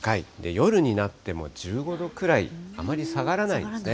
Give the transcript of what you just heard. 夜になっても１５度くらい、あまり下がらないんですね。